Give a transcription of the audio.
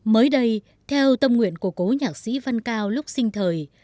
mới đây theo tâm nguyện của cố nhạc sĩ văn cao lúc sinh thời